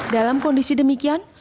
dalam kondisi demikian